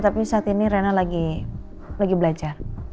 tapi saat ini rena lagi belajar